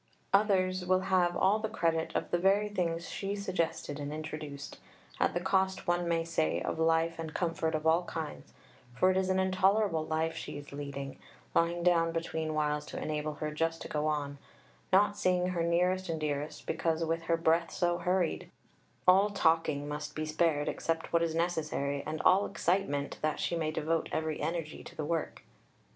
Others will have all the credit of the very things she suggested and introduced, at the cost one may say of life and comfort of all kinds, for it is an intolerable life she is leading lying down between whiles to enable her just to go on, not seeing her nearest and dearest, because, with her breath so hurried, all talking must be spared except what is necessary, and all excitement, that she may devote every energy to the work....